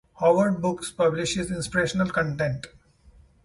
Howard Books publishes inspirational content.